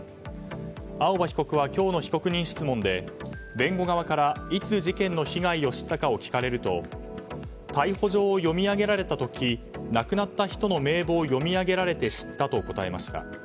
青葉被告は今日の被告人質問で弁護側からいつ事件の被害を知ったかを聞かれると逮捕状を読み上げられた時亡くなった人の名簿を読み上げられて知ったと答えました。